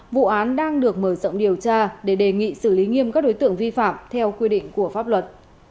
vụ án đang được mở rộng điều tra để đề nghị xử lý nghiêm các đối tượng vi phạm theo quy định của pháp luật